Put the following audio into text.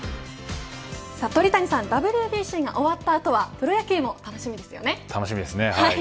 鳥谷さんＷＢＣが終わった後はプロ野球も楽しみですよね。